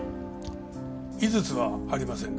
井筒はありませんか？